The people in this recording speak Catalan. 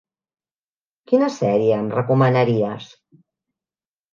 Quina sèrie em recomanaries?